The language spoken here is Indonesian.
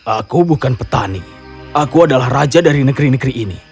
aku bukan petani aku adalah raja dari negeri negeri ini